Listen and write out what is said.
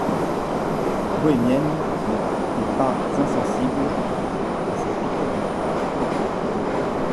La bohémienne n’était pas insensible à ces piqûres d’épingle.